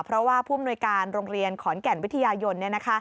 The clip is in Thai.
เพราะว่าผู้มนุยการโรงเรียนขอนแก่นวิทยายน